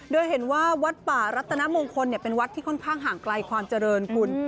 โดยเห็นว่าวัดป่ารัตนมงคลเป็นวัดที่ค่อนข้างห่างไกลความเจริญคุณ